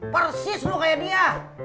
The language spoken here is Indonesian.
persis lu kaya dia